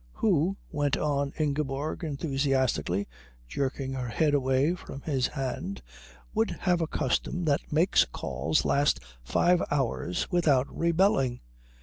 "Who," went on Ingeborg enthusiastically, jerking her head away from his hand, "would have a custom that makes calls last five hours without rebelling?